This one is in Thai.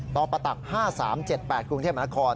ต่อประตัก๕๓๗๘กรุงเทพนคร